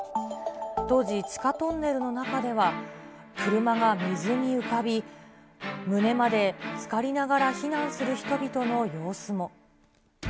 当時、地下トンネルの中では、車が水に浮かび、胸までつかりながら避難する人々の様子も。